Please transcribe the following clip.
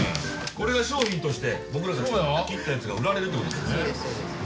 これが商品として僕たちが切ったやつが売られるってことですね。